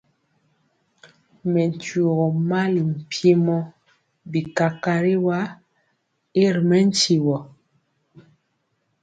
Mɛ tyugɔ mali mpiemɔ bi kakariwa y ri mɛntiwɔ.